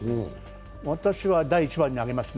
私は第一番に挙げますね。